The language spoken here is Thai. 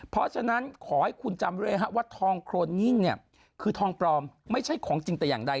เพราะฉะนั้นขอให้คุณจำเลยฮะว่าทองโครนนิ่งเนี่ยคือทองปลอมไม่ใช่ของจริงแต่อย่างใด